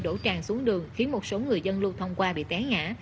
đổ tràn xuống đường khiến một số người dân lưu thông qua bị té ngã